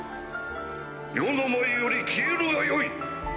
余の前より消えるがよい。